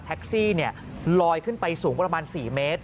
แท็กซี่เนี่ยลอยขึ้นไปสูงประมาณ๔เมตร